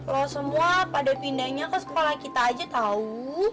lo semua pada pindahnya ke sekolah kita aja tau